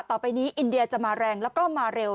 ต่อไปนี้อินเดียจะมาแรงแล้วก็มาเร็ว